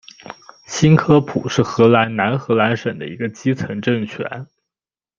新科普是荷兰南荷兰省的一个基层政权。